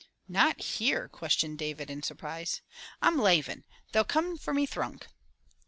"Not here?" questioned David in surprise. " I'm lavin'. They'll come for me thrunk."